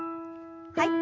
はい。